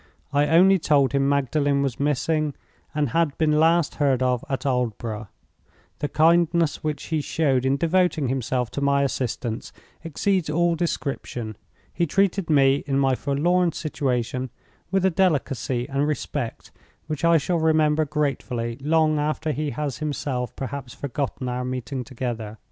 I only told him Magdalen was missing, and had been last heard of at Aldborough. The kindness which he showed in devoting himself to my assistance exceeds all description. He treated me, in my forlorn situation, with a delicacy and respect which I shall remember gratefully long after he has himself perhaps forgotten our meeting altogether.